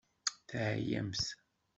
Teɛyamt.